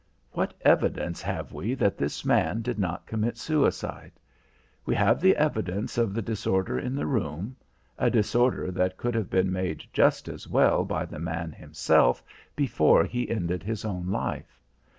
"What evidence have we that this man did not commit suicide? We have the evidence of the disorder in the room, a disorder that could have been made just as well by the man himself before he ended his own life.